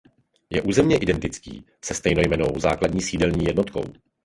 Je územně identický se stejnojmennou základní sídelní jednotkou.